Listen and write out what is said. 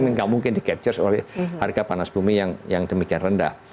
nggak mungkin di capture oleh harga panas bumi yang demikian rendah